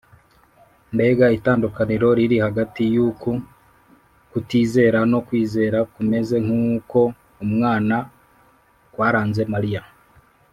. Mbega itandukaniro riri hagati y’uku kutizera no kwizera kumeze nk’uko umwana kwaranze Mariya